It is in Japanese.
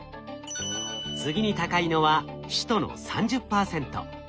次に高いのは「首都」の３０％。